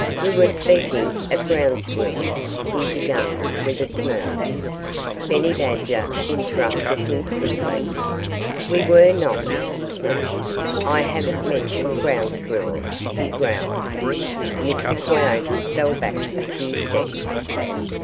"We were speaking of Ground Squirrels " he began with a smirk. Benny Badger interrupted him quickly. "We were not!" he snapped. "I haven't mentioned Ground Squirrels," he growled. Mr. Coyote fell back a few steps.